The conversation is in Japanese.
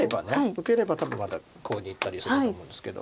受ければ多分またコウにいったりするんだと思うんですけど。